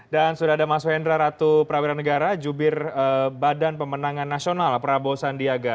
dan sudah ada mas wendra ratu prawera negara jubir badan pemenangan nasional prabowo sandiaga